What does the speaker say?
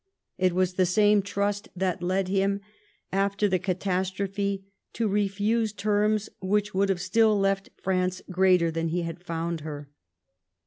It was the same trust that led him, after the catastrophe, to refuse terms which would have still left France greater than he had found her.